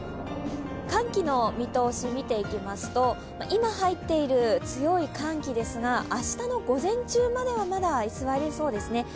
寒気の見通しを見ていきますと、今入っている強い寒気ですが明日の午前中まではまだ居すわりそうですね。